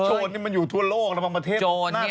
โจรนี่มันอยู่ทั่วโลกแล้วบางประเทศโดนมาก